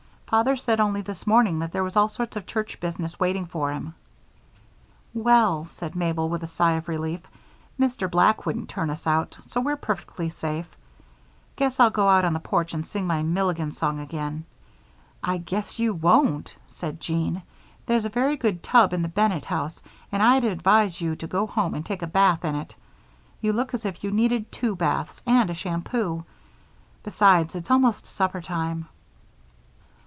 Father said only this morning that there was all sorts of church business waiting for him." "Well," said Mabel, with a sigh of relief, "Mr. Black wouldn't turn us out, so we're perfectly safe. Guess I'll go out on the porch and sing my Milligan song again." "I guess you won't," said Jean. "There's a very good tub in the Bennett house and I'd advise you to go home and take a bath in it you look as if you needed two baths and a shampoo. Besides, it's almost supper time."